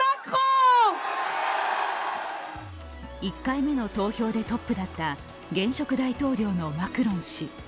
１回目の投票でトップだった現職大統領のマクロン氏。